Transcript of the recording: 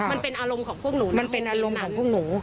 มันเป็นอารมณ์ของพวกหนูมันเป็นอารมณ์ของพวกหนู